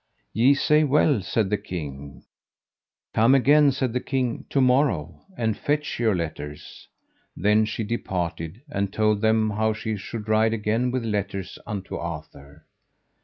Ye say well, said the king; come again, said the king, to morn, and fetch your letters. Then she departed and told them how she should ride again with letters unto Arthur.